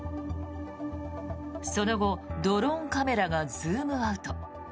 その後、ドローンカメラがズームアウト。